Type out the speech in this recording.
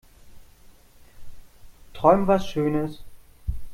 Träum was schönes.